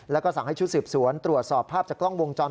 แล้วก็สั่งให้ชุดสืบสวนตรวจสอบภาพจากกล้องวงจร